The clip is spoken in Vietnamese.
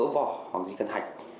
bỏ hoặc di cân hạch